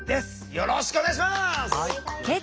よろしくお願いします。